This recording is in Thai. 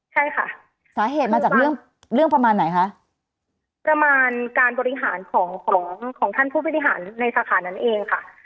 ใช่ค่ะสาเหตุมาจากเรื่องเรื่องประมาณไหนคะประมาณการบริหารของของท่านผู้บริหารในสาขานั้นเองค่ะ